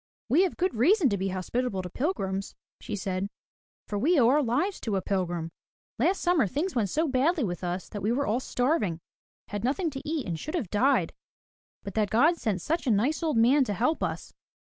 "We have good reason to be hospitable to pilgrims," she said. "For we owe our lives to a pilgrim. Last summer things went so badly with us that we were all starving, — had nothing to eat and should have died, but that God sent such a nice old man to help us.